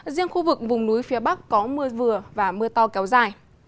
riêng khu vực vùng núi phía bắc có mưa vừa và mưa to kéo dài